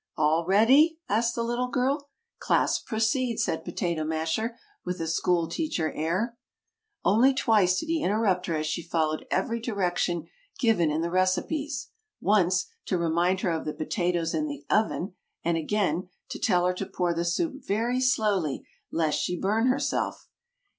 "All ready?" asked the little girl. "Class proceed!" said Potato Masher, with a school teacher air. Only twice did he interrupt her as she followed every direction given in the recipes: once, to remind her of the potatoes in the oven; and again, to tell her to pour the soup very slowly, lest she burn herself.